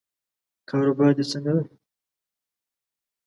کاروبار دې څنګه دی؟